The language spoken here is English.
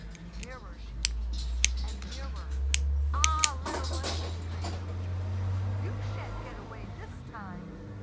Nearer she came and nearer. "Ah, little one," screams the witch baby, "you shan't get away this time!"